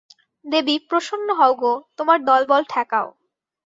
দেবী, প্রসন্ন হও গো, তোমার দলবল ঠেকাও।